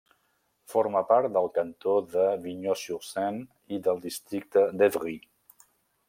Forma part del cantó de Vigneux-sur-Seine i del districte d'Évry.